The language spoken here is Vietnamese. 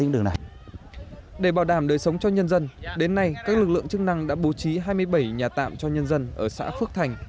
để bảo đảm đời sống cho nhân dân đến nay các lực lượng chức năng đã bố trí hai mươi bảy nhà tạm cho nhân dân ở xã phước thành